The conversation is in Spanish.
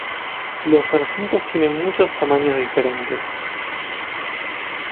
Los sargentos tienen muchos tamaños diferentes.